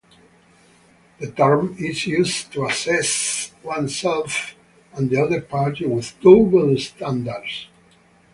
The term is used to assess oneself and the other party with double standards.